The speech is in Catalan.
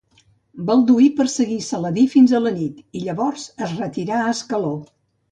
Balduí perseguí Saladí fins a la nit i llavors es retirà a Ascaló.